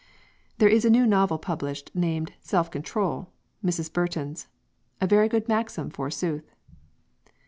There is a new novel published, named 'Self Control' (Mrs. Brunton's) "a very good maxim forsooth!"